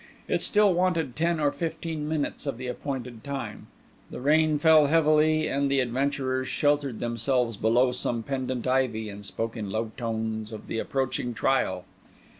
It still wanted ten or fifteen minutes of the appointed time; the rain fell heavily, and the adventurers sheltered themselves below some pendant ivy, and spoke in low tones of the approaching trial.